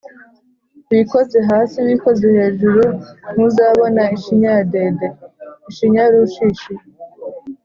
Wikoze hasi wikoze hejuru ntuzabona ishinya ya Dede-Ishinya y'urushishi.